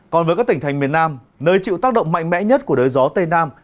còn với các tỉnh thành miền nam nơi chịu tác động mạnh mẽ nhất của đới gió tây nam